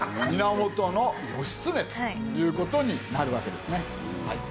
源義経という事になるわけですね。